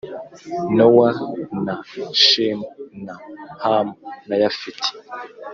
Nowa na Shemu na Hamu na Yafeti